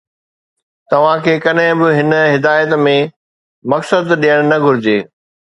توهان کي ڪڏهن به هن هدايت ۾ مقصد نه ڏيڻ گهرجي.